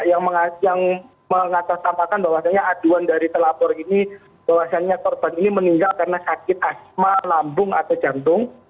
yang mengatasnamakan bahwasannya aduan dari telapor ini bahwasannya korban ini meninggal karena sakit asma lambung atau jantung